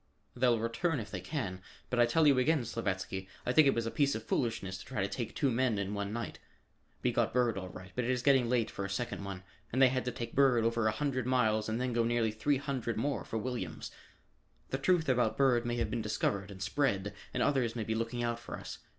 "They'll return if they can, but I tell you again, Slavatsky, I think it was a piece of foolishness to try to take two men in one night. We got Bird all right, but it is getting late for a second one, and they had to take Bird over a hundred miles and then go nearly three hundred more for Williams. The news about Bird may have been discovered and spread and others may be looking out for us.